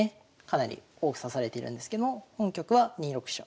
かなり多く指されているんですけども本局は２六飛車。